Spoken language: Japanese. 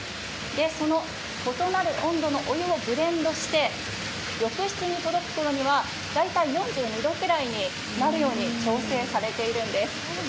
その異なる温度のお湯をブレンドして浴室に届くころには大体４２度くらいになるように調整されているんです。